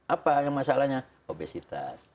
apa yang masalahnya obesitas